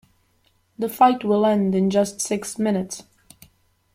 The fight will end in just six minutes.